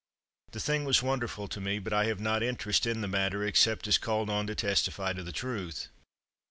The thing was wonderful to me, but I have not interest in the matter, except as called on to testify to the truth.